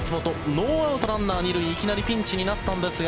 ノーアウト、ランナー２塁いきなりピンチになったんですが